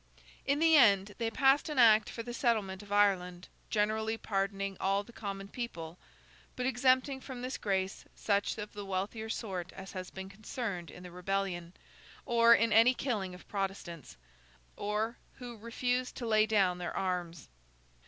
In the end, they passed an act for the settlement of Ireland, generally pardoning all the common people, but exempting from this grace such of the wealthier sort as had been concerned in the rebellion, or in any killing of Protestants, or who refused to lay down their arms.